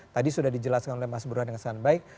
tadi sudah dijelaskan oleh mas burhan dengan sangat baik